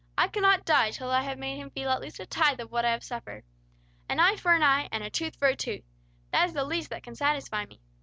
"I cannot die till I have made him feel at least a tithe of what I have suffered. 'An eye for an eye, and a tooth for a tooth!' That is the least that can satisfy me.